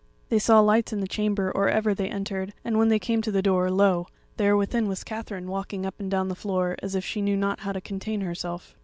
They saw lights in the chamber or ever they entered, and when they came to the door, lo! there within was Katherine walking up and down the floor as if she knew not how to contain herself.